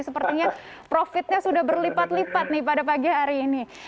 sepertinya profitnya sudah berlipat lipat nih pada pagi hari ini